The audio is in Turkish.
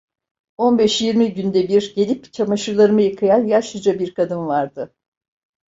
On beş yirmi günde bir gelip çamaşırlarımı yıkayan yaşlıca bir kadın vardı.